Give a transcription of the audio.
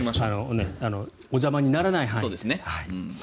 お邪魔にならない範囲で。